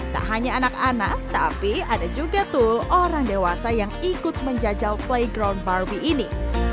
tak hanya anak anak tapi ada juga tuh orang dewasa yang ikut menjajal playground barbie ini